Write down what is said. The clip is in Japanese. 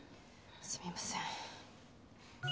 すみません。